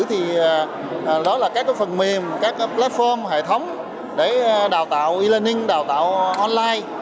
thì đó là các phần mềm các platform hệ thống để đào tạo e learning đào tạo online